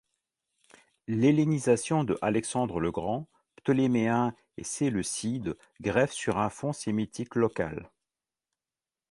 L'hellénisation de Alexandre le Grand, Ptoléméens et Séleucides greffe sur un fonds sémitique local.